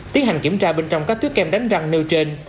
tiến hành kiểm tra bên trong các túi kem đánh răng nêu trên